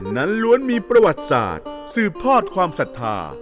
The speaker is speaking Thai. ล้วนมีประวัติศาสตร์สืบทอดความศรัทธา